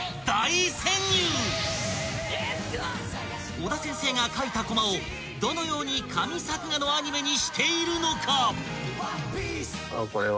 ［尾田先生が描いたこまをどのように神作画のアニメにしているのか？］